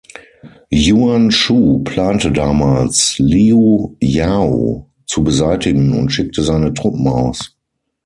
Yuan Shu plante damals, Liu Yao zu beseitigen, und schickte seine Truppen aus.